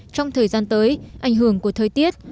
trong thời gian tới ảnh hưởng của thời tiết